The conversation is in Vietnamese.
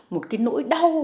một cái nỗi đau